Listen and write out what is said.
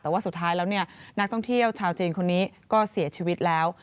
แต่ว่าสุดท้ายแล้วเนี่ยนักท่องเที่ยวชาวจีนคนนี้ก็เสียชีวิตแล้ว